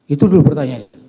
itu dulu pertanyaan